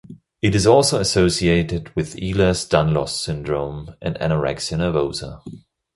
It is also associated with Ehlers-Danlos syndrome and anorexia nervosa.